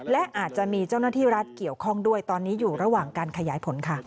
และอาจจะมีเจ้าหน้าที่รัฐเกี่ยวข้องด้วยตอนนี้อยู่ระหว่างการขยายผลค่ะ